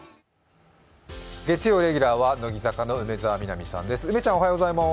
月曜レギュラーは乃木坂４６の梅澤美波さんです。